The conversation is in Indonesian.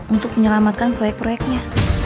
untuk menyelamatkan proyek proyeknya